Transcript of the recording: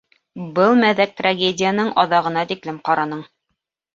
Был мәҙәк трагедияның аҙағына тиклем ҡараның.